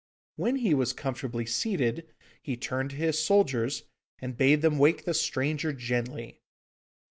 When he was comfortably seated, he turned to his soldiers, and bade them wake the stranger gently.